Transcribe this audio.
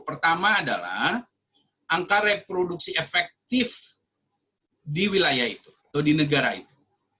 pertama adalah angka reproduksi efektif di wilayah itu atau di negara itu